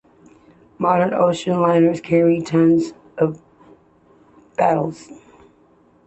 Modern ocean liners carry tons of ballast.